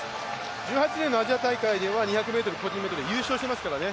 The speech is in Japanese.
１８年のアジア大会では２００ｍ個人メドレー優勝していますからね